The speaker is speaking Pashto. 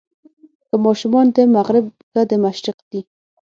که ماشومان د مغرب که د مشرق دي.